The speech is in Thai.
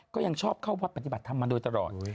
ก็ยังชอบเข้าวัดปฏิบัติธรรมมาโดยตลอด